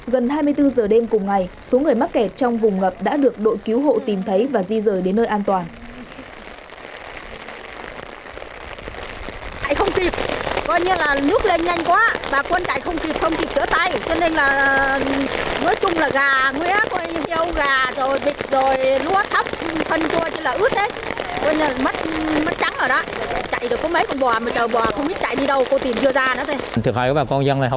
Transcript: gần hai mươi bốn giờ đêm cùng ngày số người mắc kẹt trong vùng ngập đã được đội cứu hộ tìm thấy và di rời đến nơi an toàn